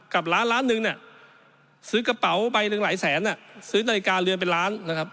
กลับร้านล้านนึงเนี่ยซื้อกระเป๋าใบละหลายแสง